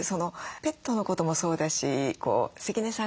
ペットのこともそうだし関根さん